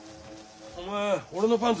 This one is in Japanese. お前俺のパンツ